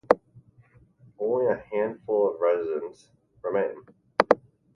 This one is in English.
Only a handful of residents remain.